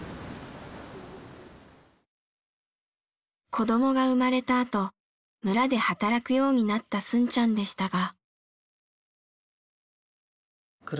子どもが生まれたあと村で働くようになったスンちゃんでしたが。